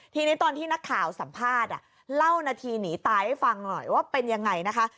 ทีนี้ตอนที่นักข่าวสัมภาษณ์เล่านาทีหนีตายให้ฟังหน่อยว่าเป็นยังไงนะคะ